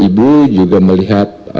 ibu juga melihat